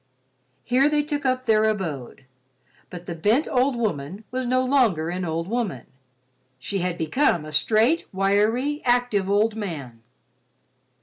Here they took up their abode. But the bent, old woman was no longer an old woman—she had become a straight, wiry, active old man.